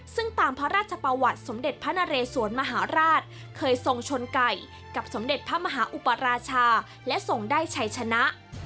ซึ่งตามพระราชประวัติสมเด็จพระนเรสวนมหาราชเคยทรงชนไก่กับสมเด็จพระมหาอุปราชาและทรงได้ชัยชนะ